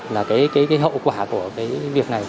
là cái hậu quả của cái việc này